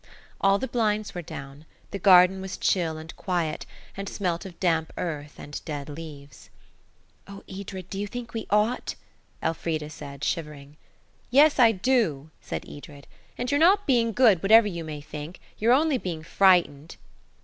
All the blinds were down; the garden was chill and quiet, and smelt of damp earth and dead leaves. "Oh, Edred, do you think we ought?" Elfrida said, shivering. "Yes, I do," said Edred; "and you're not being good, whatever you may think. You're only being frightened."